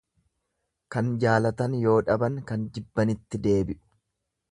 Kan jaalatan yoo dhaban kan jibbanitti deebi'u.